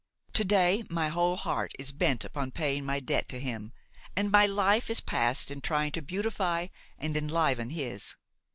To day my whole heart is bent upon paying my debt to him, and my life is passed in trying to beautify and enliven his.